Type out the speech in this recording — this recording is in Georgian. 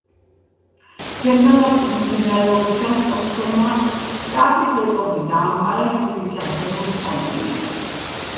ჩემპიონატის მიმდინარეობისას ტომპსონმა შტატის რეკორდი დაამყარა შვიდი ჩაგდებული სამქულიანით.